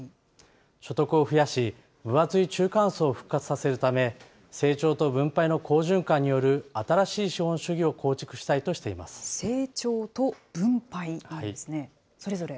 所得を増やし、分厚い中間層を復活させるため、成長と分配の好循環による新しい資本主義を構築したいとしていま成長と分配なんですね。